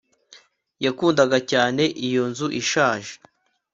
Yakundaga cyane iyo nzu ishaje